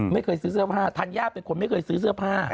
ไม่เคยซื้อเสื้อผ้าธัญญาเป็นคนไม่เคยซื้อเสื้อผ้า